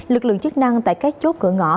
lực lượng chức năng tại các chốt cửa ngõ